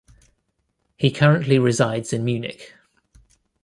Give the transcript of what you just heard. He currently resides in Munich.